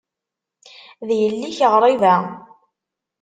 D yelli-k ɣriba.